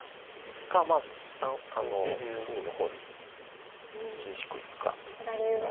か隅の方に厳しくいくかですが。